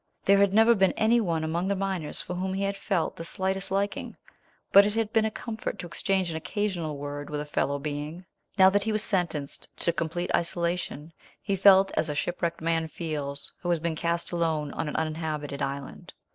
There had never been any one among the miners for whom he had felt the slightest liking; but it had been a comfort to exchange an occasional word with a fellow being. Now that he was sentenced to complete isolation he felt as a shipwrecked man feels who has been cast alone on an uninhabited island.